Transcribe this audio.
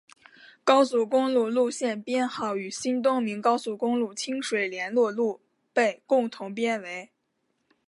高速公路路线编号与新东名高速公路清水联络路被共同编为。